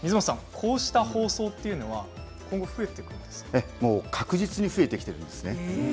こうした包装というのは確実に増えてきているんですね。